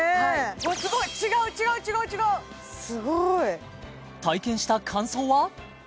うわっすごい違う違うすごい体験した感想は？